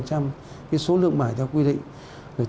cái số lượng bài theo quy định